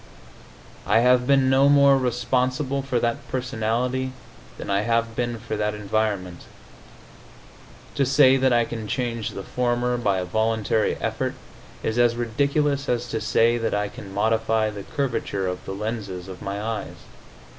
I have been no more responsible for that personality than I have been for that environment. To say that I can change the former by a voluntary effort is as ridiculous as to say that I can modify the curvature of the lenses of my eyes.